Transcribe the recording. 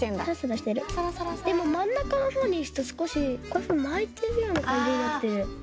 でも真ん中のほうにいくとすこしこういうふうに巻いてるようなかんじになって。